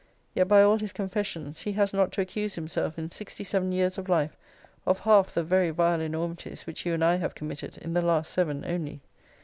Yet, by all his confessions, he has not to accuse himself, in sixty seven years of life, of half the very vile enormities which you and I have committed in the last seven only.